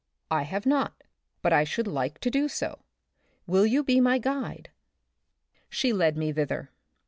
I have not, but I should like to do so. Will you be my guide ?" She led me thither.